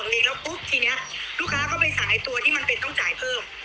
แล้วปุ๊บทีนี้ลูกค้าก็ไปสายตัวที่มันเป็นต้องจ่ายเพิ่ม